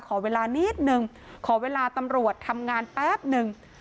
ขอเวลานิดนึงขอเวลาตำรวจทำงานแป๊บนึง